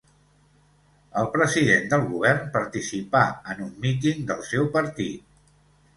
El president del govern participà en un míting del seu partit.